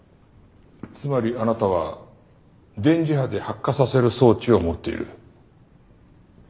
つまりあなたは電磁波で発火させる装置を持っている。